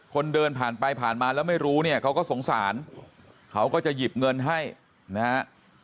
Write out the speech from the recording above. คนเดินผ่านไปผ่านมาแล้วไม่รู้เนี่ยเขาก็สงสารเขาก็จะหยิบเงินให้นะฮะ